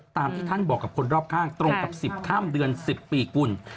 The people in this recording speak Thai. ตามที่ท่านบอกกับคนรอบข้างตรงกับ๑๐ข้ามเดือน๑๐ปีกุล